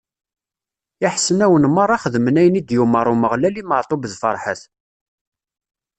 Iḥesnawen meṛṛa xedmen ayen i d-yumeṛ Umeɣlal i Meɛtub d Ferḥat.